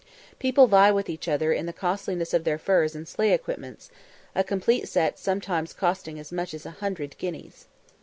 People vie with each other in the costliness of their furs and sleigh equipments; a complete set sometimes costing as much as a hundred guineas.